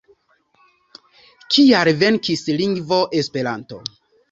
Kial venkis lingvo Esperanto?